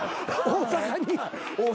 大阪に。